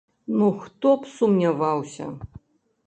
Ну, хто б сумняваўся.